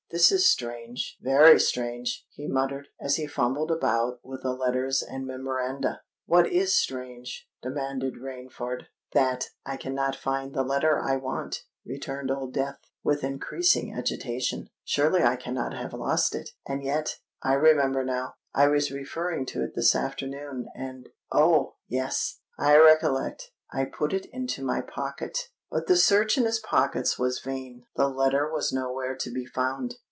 "This is strange—very strange!" he muttered, as he fumbled about with the letters and memoranda. "What is strange?" demanded Rainford. "That I cannot find the letter I want," returned Old Death, with increasing agitation. "Surely I cannot have lost it? And yet—I remember now—I was referring to it this afternoon—and——Oh! yes—I recollect—I put it into my pocket——" But the search in his pockets was vain: the letter was nowhere to be found.